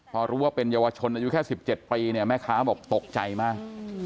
พอรู้ว่าเป็นเยาวชนอายุแค่๑๗ปีเนี่ยแม่ค้าบอกตกใจมาก